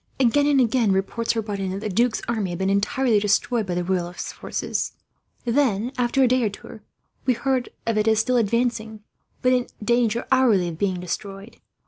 Again and again, reports were brought in that the duke's army had been entirely destroyed by the Royalist forces. Then, after a day or two, we heard of it as still advancing; but in danger, hourly, of being destroyed.